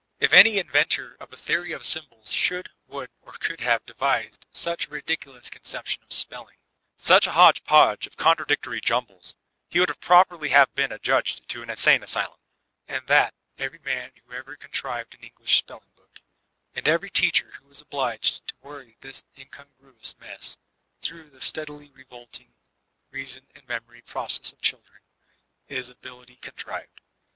If any inventor of a theory of symbols should, would, or could have devised such a ridiculous conception of spelling, such a hodge podge of contradictory jumbles, he would properly have been adjudged to an insane asylum; and that, every man who ever contrived an English spelling book, and every teacher who is obliged to worry this incongruous mess through the steadily revolting reason and memory process of children, is ably convinced.